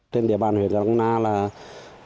trên địa bàn huyện đắk lắc